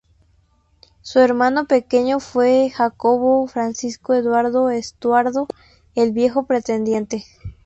Su hermano pequeño fue Jacobo Francisco Eduardo Estuardo, el "Viejo Pretendiente".